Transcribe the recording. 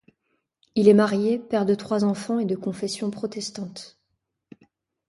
Il est marié, père de trois enfants et de confession protestante.